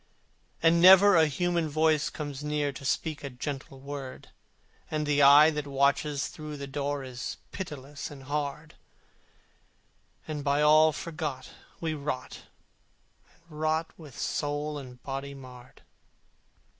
And never a human voice comes near To speak a gentle word: And the eye that watches through the door Is pitiless and hard: And by all forgot, we rot and rot, With soul and body marred.